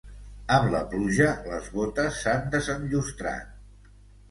Amb la pluja les botes s'han desenllustrat.